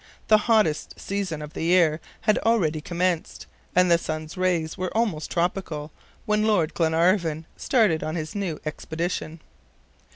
The hottest season of the year had already commenced, and the sun's rays were almost tropical, when Lord Glenarvan started on his new expedition.